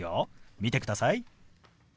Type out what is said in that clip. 見てください。